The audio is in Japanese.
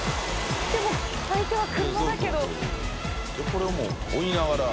これはもう追いながら。